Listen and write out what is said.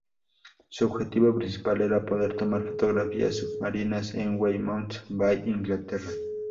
Su objetivo principal era poder tomar fotografías submarinas en Weymouth Bay, Inglaterra.